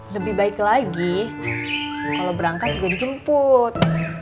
lebih baik lagi kalau berangkat juga dijemput